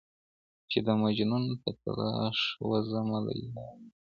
چي د مجنون په تلاښ ووزمه لیلا ووینم